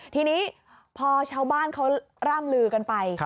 ทีนี้พอชาวบ้านเขาร่ำลือกันไป